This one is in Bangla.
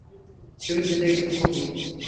তুমি জিতে গেছো, খুকী।